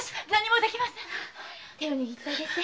手を握ってあげて。